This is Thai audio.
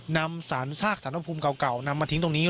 นำสารซากสารภูมิเก่านำมาทิ้งตรงนี้